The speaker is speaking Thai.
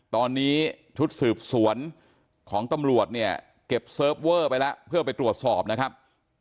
ตอนนี้ชุดสืบสวนของตำรวจเนี่ยเก็บเซิร์ฟเวอร์ไปแล้วเพื่อไปตรวจสอบนะครับ